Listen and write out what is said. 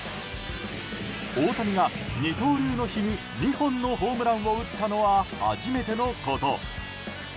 大谷が二刀流の日に２本のホームランを打ったのは初めてのこと。